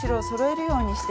そろえるように。